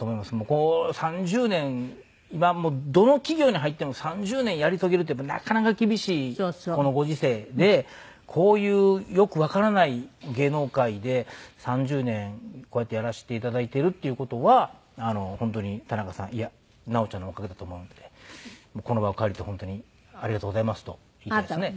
こう３０年今もうどの企業に入っても３０年やり遂げるってなかなか厳しいこのご時世でこういうよくわからない芸能界で３０年こうやってやらせていただいてるっていう事は本当に田中さんいや直ちゃんのおかげだと思うのでこの場を借りて本当にありがとうございますと言いたいですね。